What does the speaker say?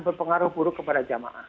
berpengaruh buruk kepada jamaah